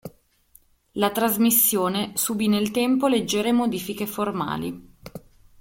La trasmissione subì nel tempo leggere modifiche formali.